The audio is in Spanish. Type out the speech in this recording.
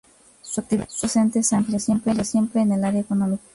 Su actividad docente es amplia, siempre en el área económica.